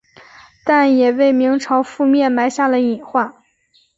但也为明朝覆亡埋下了隐患。